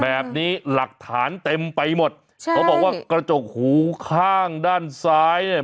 แบบนี้หลักฐานเต็มไปหมดใช่เขาบอกว่ากระจกหูข้างด้านซ้ายเนี่ย